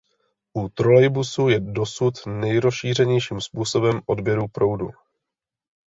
U trolejbusů je dosud nejrozšířenějším způsobem odběru proudu.